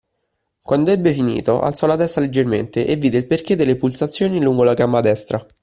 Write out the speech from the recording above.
Quando ebbe finito, alzò la testa leggermente, e vide il perché delle pulsazioni lungo la gamba destra